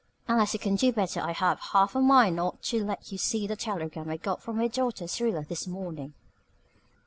Unless you can do better I have half a mind not to let you see the telegram I got from my daughter Syrilla this morning."